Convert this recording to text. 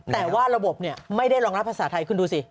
แต่ว่าระบบไม่ได้รองรับภาษาไทยคุณดูสิ